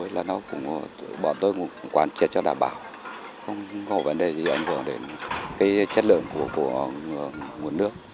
bọn tôi cũng quan trị cho đảm bảo không có vấn đề gì ảnh hưởng đến chất lượng của nguồn nước